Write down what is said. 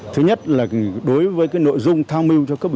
thứ nhất là đối với cái nội dung tham mưu